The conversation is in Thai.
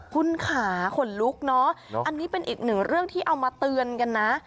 คุณขาขนลุกเนอะอันนี้เป็นอีกหนึ่งเรื่องที่เอามาเตือนกันนะ